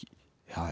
はい。